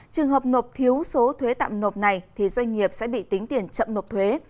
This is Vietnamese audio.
trường hợp nộp thiếu số thuế tạm nộp này thì doanh nghiệp sẽ bị tính tiền chậm nộp thuế